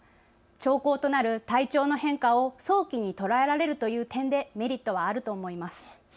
兆候となる体調の変化を早期に捉えられるという点でメリットはあると思います。